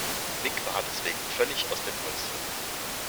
Mick war deswegen völlig aus dem Häuschen.